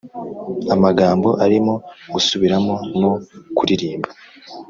-; -amagambo arimo -gusubiramo no kuririmba